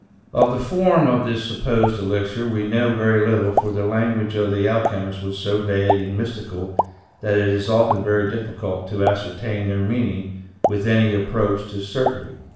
Of the form of this supposed elixir we know very little 95 96 THE SEVEN FOLLIES OF SCIENCE for the language of the alchemists was so vague and mys tical that it is often very difficult to ascertain their meaning with any approach to certainty.